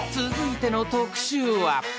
［続いての特集は］